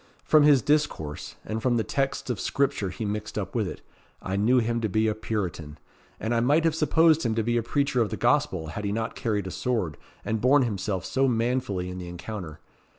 From his discourse, and from the texts of Scripture he mixed up with it, I knew him to be a Puritan; and I might have supposed him to be a preacher of the Gospel, had he not carried a sword, and borne himself so manfully in the encounter.